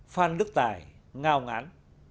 phan đức tài ngao ngán